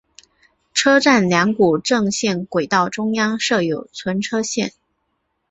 车站两股正线轨道中央设有存车线。